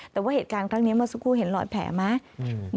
แต่ว่าเหตุการณ์ครั้งนี้เมื่อสักครู่เห็นรอยแผลไหม